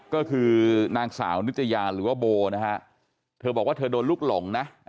ก็คือนางสาวนิตยาหรือว่าโบนะฮะเธอบอกว่าเธอโดนลูกหลงนะ